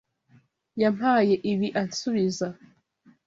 Yampaye ibi ansubiza.